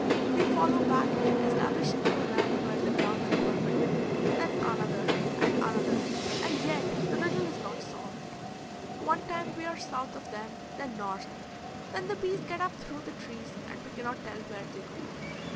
We follow back and establish a new line where the ground will permit; then another and another, and yet the riddle is not solved. One time we are south of them, then north, then the bees get up through the trees and we cannot tell where they go.